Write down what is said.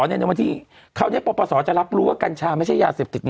ในวันที่คราวนี้ปปศจะรับรู้ว่ากัญชาไม่ใช่ยาเสพติด